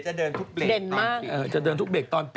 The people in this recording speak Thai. จากธนาคารกรุงเทพฯ